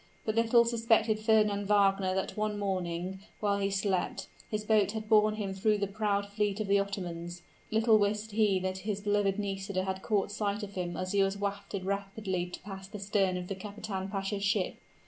But little suspected Fernand Wagner that one morning, while he slept, his boat had borne him through the proud fleet of the Ottomans little wist he that his beloved Nisida had caught sight of him as he was wafted rapidly past the stern of the kapitan pasha's ship!